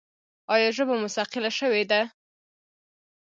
ایا ژبه مو ثقیله شوې ده؟